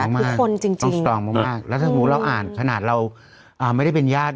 ทุกคนจริงจริงต้องสตรองมากมากแล้วถ้าหูเราอ่านขนาดเราอ่าไม่ได้เป็นญาติ